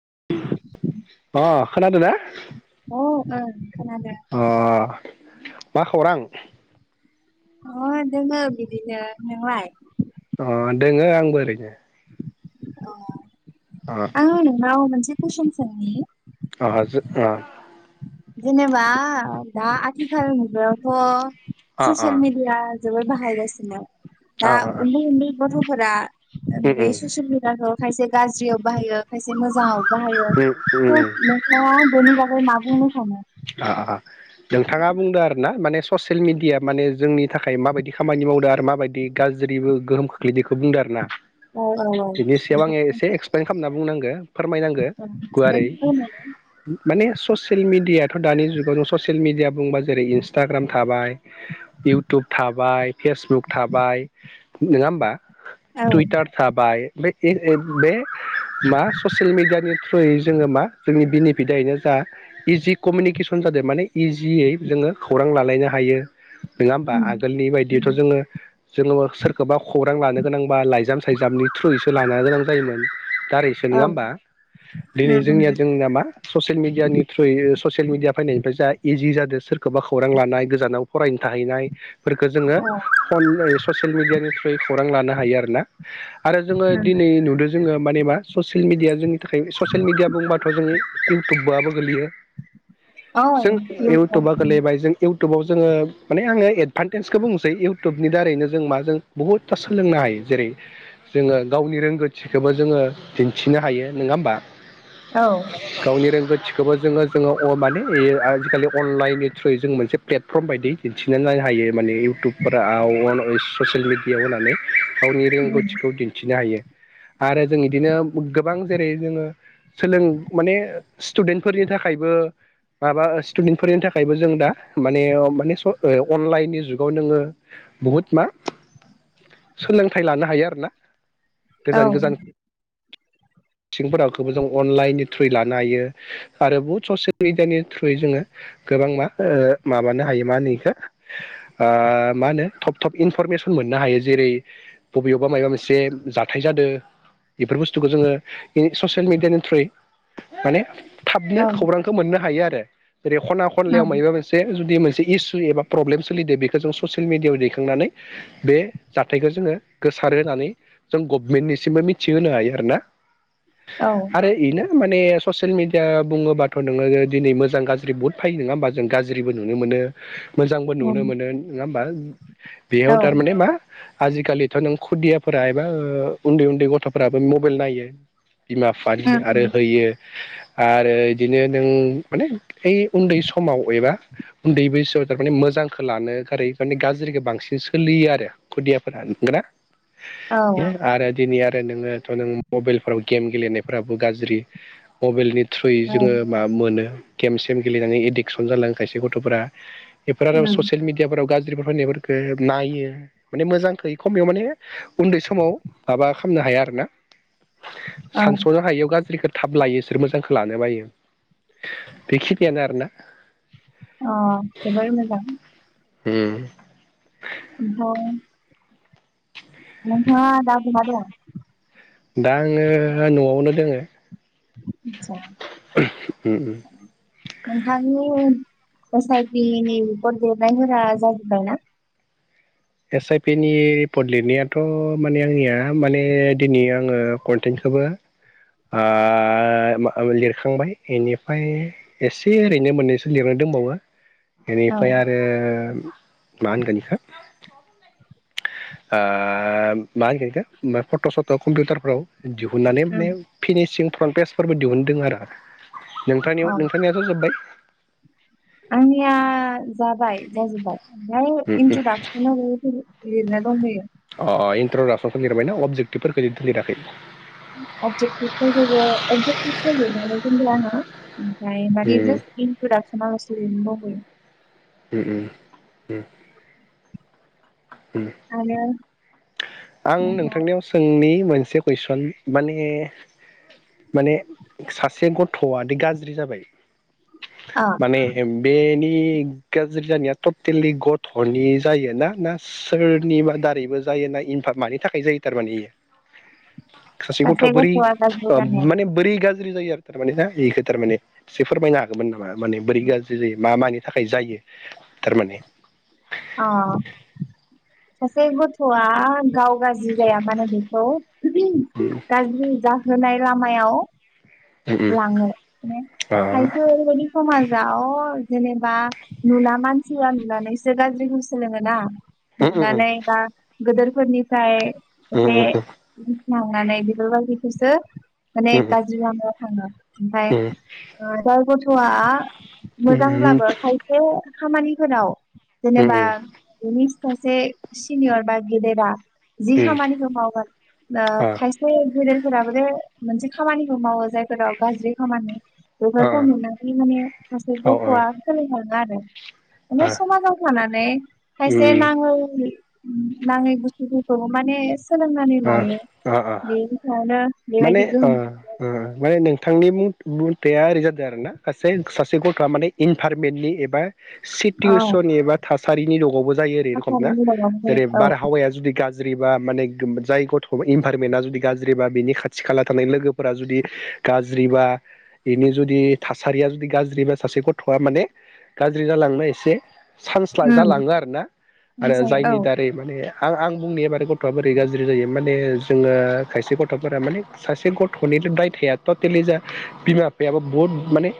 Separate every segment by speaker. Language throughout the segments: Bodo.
Speaker 1: [inaudible]
Speaker 2: अ खोनादोंना।
Speaker 1: अ।
Speaker 2: अ। मा खौरां?
Speaker 1: अ दोङो बिदिनो नोंलाय।
Speaker 2: अ दोङो आंबो ओरैनो।
Speaker 1: अ।
Speaker 2: अ
Speaker 1: आंङो नोंनाव मोनसे कुइसन सोंनि
Speaker 2: आहा जो आह
Speaker 1: जेनेबा दा आथिखाल मुगायावथ'
Speaker 2: अ अ
Speaker 1: ससियेल मिडिया जोबोद बाहायगासिनो दा
Speaker 2: अ अ अ
Speaker 1: उन्दै उन्दै गथ' फोरा
Speaker 2: उम उम
Speaker 1: बेे ससेल मिदियाखौ खायसे गाज्रियाव बाहायो खायसे मोजाङाव बाहायो
Speaker 2: उम उम
Speaker 1: त'
Speaker 2: उम
Speaker 1: नोंथाङा बेनि बा अ मा बुंनो सानो
Speaker 2: आ नोंथाङा बुंदों आरो ना माने ससियेल मिडिया माने जोंनि थाखाय माबायदि खामानि मावदों आरो माबायदि गाज्रिबो गोहोम खोख्लैदो इखो बुंदों आरो ना
Speaker 1: औ औ औ
Speaker 2: बिनि सायाव आङो एसे एक्सप्लइेन खामना बुंनांगो। फोरमायनांगो गुवारै।
Speaker 1: बेखौ बुंनो। औ
Speaker 2: माने ससियेल मिडिया थ' दानि जुगाव जों ससियेल मिडिया बुंबा जेरै इन्सटाग्राम थाबाय इउटुब थाबाय फेसबुक थाबाय नोङा होमबा?
Speaker 1: औ
Speaker 2: टुइतार थाबाय ओमफाय ए ए बे मा ससियेल मिडियानि थ्रयै जोङो मा जोंनि बेनिफिटायनो जा आ जि कमिउनिकेसन जादों माने इजियै जोङो खौरां लालायनो हायो। नङा होमबा
Speaker 1: उम
Speaker 2: आगोलनि
Speaker 1: उम
Speaker 2: बायदिथ' जोङो जोङो सोरखौबा खौरां लानो गोनांबा लाइजाम सायजामनि थ्रुयैसो लानो गोनां जायोमोन। दारैसो
Speaker 1: औ
Speaker 2: नङा
Speaker 1: उम
Speaker 2: होमबा दिनै जोंनिया
Speaker 1: उम
Speaker 2: जोंनिया मा ससियेल मिडियानि थ्रुयै मिडिया फैनायनिफ्राय जा इजि जादो। सोरखौबा खौरां लानाय गोजानाव फरायनो थाहैनाय। फोरखो जोङो फन [unintelligible] ससेल मिडियानि खौरां लानो हायो आरोना आरो जोङो दिनै नुदों जोङो मानेमा ससिल मिडिया जों नि थाखाय ससियेल मिडिया बुंबा बे'जोंइउटुआबो गोलैयो।
Speaker 1: औ
Speaker 2: जों
Speaker 1: उम
Speaker 2: इउटुबा
Speaker 1: औ
Speaker 2: गोलैबाय जों इउटुबाव जोङो माने आङो एडभान्टेजखौ बुंसै इउटुबनि दारैनो जों मा जों बहुदता सोलोंनो हायो जेरै जोङो गावनि रोंगौथिखौबो जोङो दिन्थिनो हायो नङा होमबा।
Speaker 1: औ
Speaker 2: गावनि रोंगौथि - थिखोबो जोंङो जों माने आजिखालि अनलाइननि थ्रुयै जों मोनसे प्लेटफर्म बायदि दिन्थिनो लांनो हायो माने इउटुबफोराव ससियेल मिडियाव होनानै गावनि
Speaker 1: उम
Speaker 2: रोंगौथिखौ दिन्थिनो हायो। आरो जों इदिनो गोबां जेरै जोङो सोलों माने स्टुडेन्टफोरनि थाखायबो माबा स्टुडेन्टफोरनि थाखायबो जों दा माने माने अनलाइननि जुगाव नोङो बहुद मा सोलोंथाइ लानो हायो आरोना।
Speaker 1: औ
Speaker 2: गोजान गोजान मिथिंफोरखौबो जों अनलाइननि थ्रुयै लानो हायो आरो बहुत ससियेल मिडियानि थ्रुयै जोङो गोबां मा माबानो हायो मा होनो बेखौ मा होनो थब थब इनफरमेसन मोननो हायो जेरै बबेयावबा माबा मोनसे जाथाय जादों बेफोर बुस्थुखौ जोङो ससियेल मिडियानि थ्रुयै माने थाबनो
Speaker 1: औ उम
Speaker 2: खौरां मोननो हायो आरो। जेरै खना
Speaker 1: औ
Speaker 2: खनलायाव माबा मोनसे जुदि मोनसे इसु एबा प्रब्लेम सोलिदो बेखौ जों ससियेल मिडियाआव दैखांनानै बे जाथायखौ जोङो गोसारो होननानै जों गभमेन्टनिसिमबो मिथिहोनो हायो आरोना। आरो इनो माने ससियेल मिडिया बुङोबा थ' नोङो दिनै मोजां गाज्रि बहुत फैयो नङा होमबा जों गाज्रिबो नुनो मोनो मोजांबो
Speaker 1: उम औ उम
Speaker 2: नुनो मोनो नङा होमबा
Speaker 1: औ
Speaker 2: बेयाव थारमाने मा आजिखालिथ' नों खुदियाफोरा एबा उन्दै उन्दै गथ'फोराबो मबाइल नायो। बिमा बिफानि आरो होयो। आरो बिदिनो नों माने ओइ उन्दै समाव एबा उन्दै बैसोआव थारमाने मोजांखौ लानो गारै माने गाज्रिखौ बांसिन सोलियो आरो खुदियाफोरा नंगौ ना।
Speaker 1: औ
Speaker 2: आरो दिनै आरो नोङोथ' नों मबाइलफोराव गेम गेलेनायफ्राबो गाज्रि मबाइलनि थ्रुयै जोङो मा मोनो गेम सेम गेलेनानै एडिकसन जालाङो खायसे गथ'फोरा बेफोर आरो
Speaker 1: उम
Speaker 2: ससियेल मिडियाफोराव गाज्रि फोर फैनायफोरखौ नायो माने मोजांखै खमायाव माने उन्दै समाव माबा खालामनो हाया आरो ना।
Speaker 1: औ
Speaker 2: सानसनो हायैआव गाज्रिखौ थाब लायो बिसोर मोजांखौ लानो बायो। बेखिनियानो आरोना।
Speaker 1: अ जोबोर मोजां।
Speaker 2: हे
Speaker 1: द नोंथाङा दा बहा दंङो?
Speaker 2: दा आङो न'आवनो। दङो।
Speaker 1: जा
Speaker 2: उम उम
Speaker 1: नोंथांनियाव एस आइ प नि रिपर्ट देरनाय हा जाजोबबाय ना?
Speaker 2: एस आइ पि नि रिपर्ट लिरनायाथ' माने आंनिया माने दिनै आङो कन्टेन्टखौबो आ ओ लिरखांबाय बेनिफ्राय एसे ओरैनो मोननैसो लिरनो दंबावो।
Speaker 1: औ
Speaker 2: बेनिफ्राय आरो मा होनगोन बिखौ ओ मा होनगोन बिखौ फट' सट' कम्पिउटारफोराव दिहुननानै
Speaker 1: उम
Speaker 2: माने फिनिसिं फन पेसफोरबो दिहुनदों आरो
Speaker 1: औ
Speaker 2: नोंथांनियाव नोंथांनियाथ' जोब्बाय?
Speaker 1: आंनिया जाबाय जाजोब्बाय। द
Speaker 2: उम उम
Speaker 1: इनसु दासनाफै। लिरनाय दंबोयो।
Speaker 2: अ इन्ट्रडसनखौ लिरबायना अबजेक्टिभफोरखौ लिराखै?
Speaker 1: अबजेतिबखौ [unintelligible] माने
Speaker 2: उम
Speaker 1: जास इन्ट्रडसनालसो लिरनोबावबाय
Speaker 2: ओम
Speaker 1: आरो
Speaker 2: आं
Speaker 1: नोंथां
Speaker 2: नोंथांनियाव सोंनि मोन मोनसे कुइसन माने माने सासे गथ'आाद गाज्रि जाबाय
Speaker 1: अ
Speaker 2: माने बेनि नि गाज्रि जानाया ट'टेलि गथ'नि जायोना ना सोरनिबा दारैबो जायो ना इन फार मानि थाखाय जायो थारमाने इयो? सासे गथ' बोरै
Speaker 1: गथ'आ गाज्रि
Speaker 2: ओ
Speaker 1: जानाया
Speaker 2: माने बोरै गाज्रि गाज्रि जायो आरो थारमाने ना बेखौ थारमाने एसे फोरमायनो हागौमोन नामा? माने बोरै गाज्रि जायो। मा मानि थाखाय जायो थारमाने
Speaker 1: अ सासे गथ'आ गाव गाज्रि जाया मानो बेखौ
Speaker 2: उम
Speaker 1: गाज जा होनाय लामायाव
Speaker 2: उम
Speaker 1: लाङो माने
Speaker 2: आ
Speaker 1: खायसे ओरैबायदि समाज। जाव जेनेबा नुना मानसिया नुनानैसो गाज्रिखौ सोलोङोना।
Speaker 2: उम उम
Speaker 1: नुनानै बा गेदेरफोरनिफाय जे
Speaker 2: उम उम
Speaker 1: [unintelligible] मावनानै बेफोरबायदिखौसो माने
Speaker 2: उम उम
Speaker 1: गाज्रि लामायाव [inaudible] [inaudible] [inaudible]
Speaker 2: उम
Speaker 1: मोजांब्लाबो खायसे खामानिफोराव
Speaker 2: उम
Speaker 1: जेनेबा बिनि [unintelligible] जि
Speaker 2: उम
Speaker 1: खामानिखौ मावगोन
Speaker 2: आ
Speaker 1: खायसे गेदेर फोराबो बे मोनसे खामानिखौ मावो जाय फोराव गाज्रि खामानि
Speaker 2: आ
Speaker 1: बेफोरखौ नुनानै माने सासे
Speaker 2: औ ओ
Speaker 1: गथ'आ सोलोंना गारो समाजाव थानानै खायसे
Speaker 2: उम
Speaker 1: नाङै। नाङै बुसथुफोरखौ माने सोलोंनानै
Speaker 2: अ
Speaker 1: लायो
Speaker 2: अ अ
Speaker 1: बेनि सायावनो
Speaker 2: माने
Speaker 1: बेबायदि
Speaker 2: अ
Speaker 1: गोहोम
Speaker 2: अ माने नों। बिथांनि मुथाया ओरै जादों आरो ना ससे सासे गथ'आ माने इनभारमेन्टनि एबा
Speaker 1: औ
Speaker 2: सिटुवेसननि एबा था [unintelligible] जायो रखम ना
Speaker 1: थासारिनि औ उम
Speaker 2: जेरै बारहावाया जुदि गाज्रि। [unintelligible] जाय गथ' इनभाररमेन्टआ जुदि गाज्रिबा बिनि खाथि खाला थानाय, लोगोफोरा जुदि गाज्रिबा बेनि जुदि थासारिया जुदि गाज्रिबा सासे गथ'आ माने गाज्रि जालांनो एसे। चान्स जालाङो आरोना, आरो
Speaker 1: ओमफ्राय औ
Speaker 2: जायनि दारै माने आं आं बुंनिा एबार गथ'आ बोरै गाज्रि। ज्रि जायो माने जोङो खायसे गथ'फोरा माने सासे गथ'नि दायथया टटेलि जा बिमा बिफायाबो बहुद माने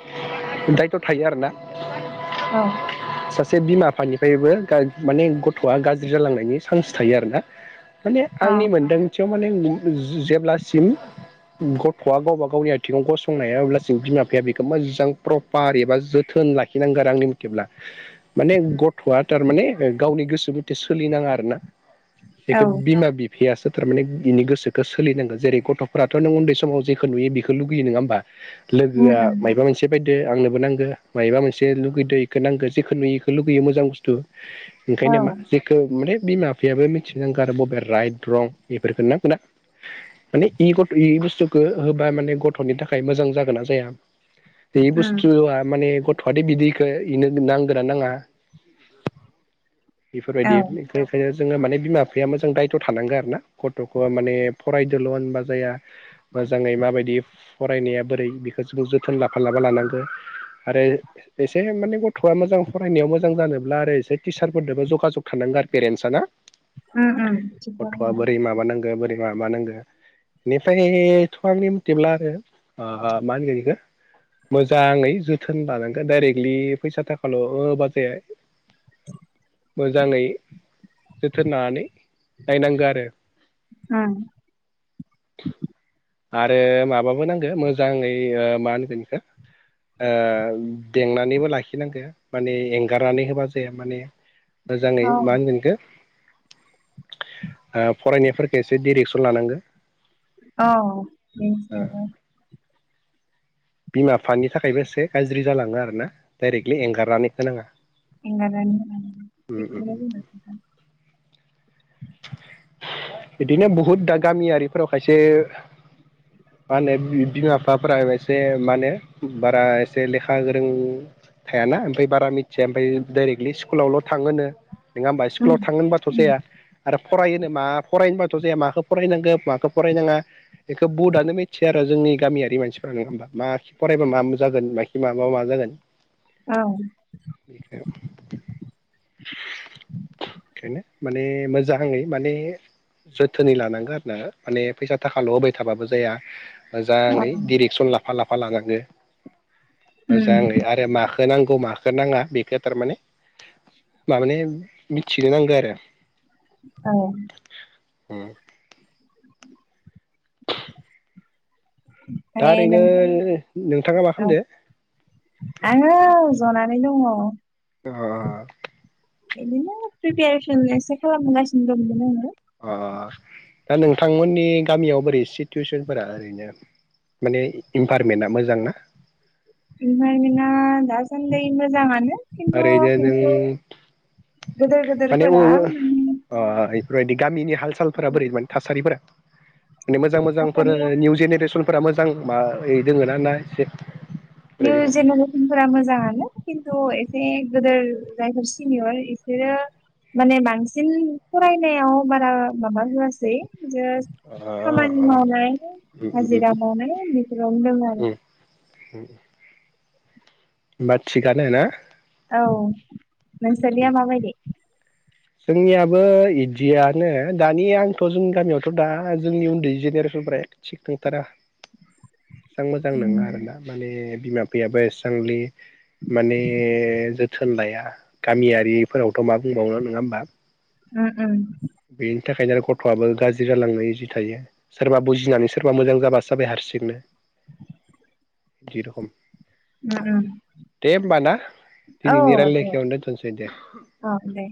Speaker 2: दायथ' थायो आरोना।
Speaker 1: औ
Speaker 2: सासे बिमा बिफानिफ्रायबो माने गथ'आ गाज्रि जालांनायनि चान्स थायो आरो ना
Speaker 1: औ
Speaker 2: आंनि मोनदांथियाव माने जेब्लासिम गथ'आ गावबा गावनि आथिङाव गसंनो हाया अब्लासिम बिमा बिफाया बेखौ मोजां प्रपार एबा जोथोन लाखिनांगौ आरो आंनि मथेब्ला माने गथ'आ थारमाने गावनि गोसो मथे सोलिनाङा आरो ना
Speaker 1: औ
Speaker 2: बेखौ बिमा बि बेयासो थारमाने बिनि गोसखो सोलिनांगोन जेरै गथ'फोराथ' नों उन्दै समाव जेखौ नुयो बेखौ लुगयो नङा होमबा
Speaker 1: उम
Speaker 2: लोगोआ
Speaker 1: उम
Speaker 2: माबा मोनसे बायदि दो आंनोबो नांगो मायबा मोनसे लुगैदों एखौ नांगो जेखौ नुयो बेखौ लुगैयो मोजां बुस्थु
Speaker 1: औ
Speaker 2: ओंखायनो मा जेखौ माने बिमा बिफायाबो मिथिना गार बबे राइट रं बेफोरखौन ना खा माने इ गथ' इ बुस्थुखौ होबा माने गथ'नि थाखाय मोजां जागोन ना जाया बे
Speaker 1: उम
Speaker 2: बुस्थु माने गथ थवादे बिदिखौ इनो नांगोना नाङा
Speaker 1: औ
Speaker 2: बेफोरबायदि बिखाय खायनो जो माने बिमा बिफाया मोजां दायथ' थानांगोन आरोना गथ'खौ माने फरायदोल' होनबा जाया मोजाङै माबायदि फरायनाया बोरै बेखौ जो जोथोन लाफा लाफा लानांगौ आरो एसे माने गथ'आ मोजां फरायनायाव मोजां जानोब्ला आरो एसे टिचारफोरजोंबोा जगाजग थानांगौ आरो पेरेन्टसाना
Speaker 1: उम उम थिगखौनो
Speaker 2: गथ'आ
Speaker 1: होनदों
Speaker 2: बोरै माबानांगो बोरै माबानांगो बेनिफ्रायथ' आंनि मथिब्ला आरो मा होनगोन बेखौ मोजाङै जोथोन लानांगो डाइरेक्टलि फैसा थाखाल' बाजाया
Speaker 1: [unintelligible]
Speaker 2: मोजाङै जोथोन लानानै नायनांगौ आरो
Speaker 1: आ
Speaker 2: आरो माबाबो नांगो मोजाङै ओ मा होनगोन बेखौ ओ बेंनानैबो लाखिनांगो माने एंगारनानै होबा जाया माने मोजाङै
Speaker 1: औ
Speaker 2: मा होनगोनखो ओ फरायनायफोरखौ एसे डिरेक्सन लानांगो
Speaker 1: औ बेस
Speaker 2: ओ बिमा बिफानि थाखायबो एसे गाज्रि जालाङो आरोना डायरेक्टलि एंगारनानै होनाङा उम उम
Speaker 1: [unintelligible]
Speaker 2: बिदिनो बहुद दा गामियारिफोराव खायसे मा होनो बिमा बिफाफोरा एसे मा होनो बारा एसे लेखा गोरों थायाना ओमफ्राय बारा मिथिया ओमफ्राय डायरेक्टलि स्कुलावल' थाङोनो नङा होमबा
Speaker 1: उम
Speaker 2: सकुलाव थागोनबा थ'
Speaker 1: उम
Speaker 2: जाया आरो फरायोनो मा फरायनोबाथ' जाया मखौ फरायनांगौ माखौ फरायनाङा बेखौ बुडआनो मिथिया आरो जोंनि गामियारि मानसिफ्रा नङा होमबा माखि फरायबा मा जागोन मि माबाबा मा जागोन
Speaker 1: औ
Speaker 2: [unintelligible] बेखायनो माने मोजाङै माने जोथोनै लानांगौ आरो ना माने फैसा थाखाल' होबाय थाबाबो जाया
Speaker 1: औ
Speaker 2: मोजाङै डिरेक्सन ला लाफा लाफा लाङो
Speaker 1: उम
Speaker 2: मोजाङै आरो माख माखौ नांगौ माखौ नाङा बेखौ थारमाने माबानि मिथिनो नांगौ आरो।
Speaker 1: ओं।
Speaker 2: ओम। दा
Speaker 1: ओमफ्राय
Speaker 2: ओरैनो
Speaker 1: नोंथां
Speaker 2: नोंथाङा मा खालामदों?
Speaker 1: आङो औ जनानै दङ।
Speaker 2: अह!
Speaker 1: बिदिनो प्रिपेरेसन एसे खालामगासिनो दंमोन आङो।
Speaker 2: अह दा नोंथांमोननि गामियाव बोरै सिटुवेसनफोरा ओरैनो माने इनभारमेन्टआ मोजां ना?
Speaker 1: इनभारमेन्टआ दा साननैसो मोजां आनो।
Speaker 2: ओरैनो नों
Speaker 1: गोदोर
Speaker 2: माने
Speaker 1: गोदोरफोरा माने
Speaker 2: इफोरबायदि गामिनि हाल सालफोरा बोरै माने थासारिफोरा? मोजां मोजांफोर
Speaker 1: थासारिया
Speaker 2: निउ जेनेरेसनफोरा मोजां [unintelligible]
Speaker 1: निउ
Speaker 2: दोङो
Speaker 1: जेनेरेसनफोरा मोजांआनो खिन्थु एसे गेदेर जायफोर सिनियर बिसोरो माने बांसिन फरायनायाव बारा माबा होआसै
Speaker 2: अ
Speaker 1: जास्ट
Speaker 2: अ
Speaker 1: खामानि मावनाय हाजिरा मावनाय बेफोरावनो दङ आरो।
Speaker 2: उम। होनबा थिगानो ना?
Speaker 1: औ। नोंसानिआ मा बायदि?
Speaker 2: जोंनियाबो इदियानो, दानि आंथ' जोंनि गामियावथ' दा जोंनि उन्दै जेनेरेसनफ ए थिख नंथारा‌। एसेबां मोजां
Speaker 1: उम
Speaker 2: नङा आरो ना माने बिमा बिफायाबो एसांलि माने जोथोन लाया, गामियारिफोरावथ' मा बुंबावनो नङा होनबा?
Speaker 1: उम उम।
Speaker 2: बेनि थाखायनो आरो गथ'आबो गाज्रि जालांनो इजि थायो। सोरबा बुजिनानै सोरबा मोजां जाबासो जाबाय हारसिंनो जे रखम
Speaker 1: उम उम
Speaker 2: दे होमबा ना
Speaker 1: औ
Speaker 2: दिनैनि
Speaker 1: दे
Speaker 2: रायलायनायखौ बेखिनियावनो दोनथ'नोसै दे।
Speaker 1: औ दे